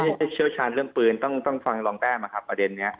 เชี่ยวชาญเรื่องปืนต้องฟังรองแต้มนะครับประเด็นนี้